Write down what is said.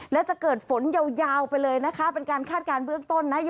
และจะเกิดฝนยาวไปเลยนะคะเป็นการคาดการณ์เบื้องต้นนะ